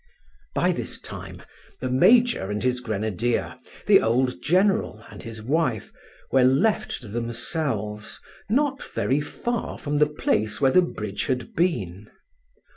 By this time the major and his grenadier, the old general and his wife, were left to themselves not very far from the place where the bridge had been.